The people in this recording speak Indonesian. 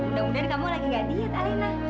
mudah mudahan kamu lagi gak diet alina